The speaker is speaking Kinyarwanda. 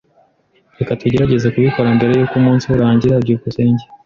Reka tugerageze kubikora mbere yuko umunsi urangira. byukusenge